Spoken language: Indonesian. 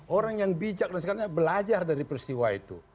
orang yang bijak dan sebagainya belajar dari peristiwa itu